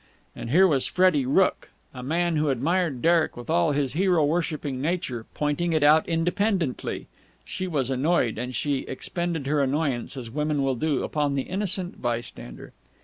And here was Freddie Rooke, a man who admired Derek with all his hero worshipping nature, pointing it out independently. She was annoyed, and she expended her annoyance, as women will do, upon the innocent bystander.